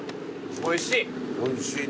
おいしい。